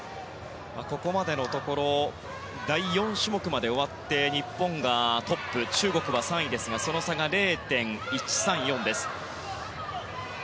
ここまでのところ第４種目まで終わって日本がトップ、中国は３位ですがその差が０．１３４です。